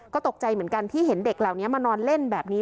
ก็ตกใจเหมือนกันที่เห็นเด็กเหล่านี้มานอนเล่นแบบนี้